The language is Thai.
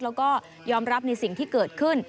แล้วก็ยอมรับในสิ่งที่เกิดขึ้น